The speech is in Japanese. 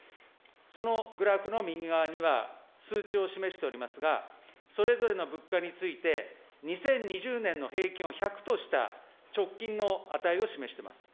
そのグラフの右側には数値を示しておりますが、それぞれの物価について、２０２０年の平均を１００とした直近の値を示しています。